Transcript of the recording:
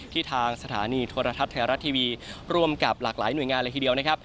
ทางสถานีโทรทัศน์ไทยรัฐทีวีร่วมกับหลากหลายหน่วยงานเลยทีเดียวนะครับ